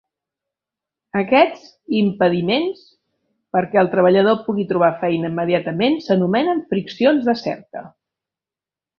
Aquests impediments perquè el treballador pugui trobar feina immediatament s'anomenen friccions de cerca.